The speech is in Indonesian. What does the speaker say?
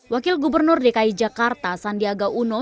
wakil gubernur dki jakarta sandiaga uno